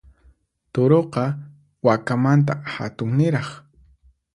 Turuqa, wakamanta hatunniraq.